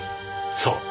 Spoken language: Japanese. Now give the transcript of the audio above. そう。